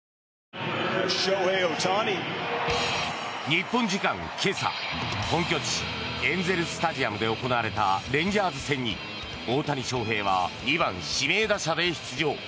日本時間今朝本拠地、エンゼル・スタジアムで行われたレンジャーズ戦に大谷翔平は２番指名打者で出場。